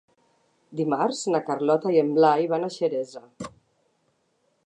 Dimarts na Carlota i en Blai van a Xeresa.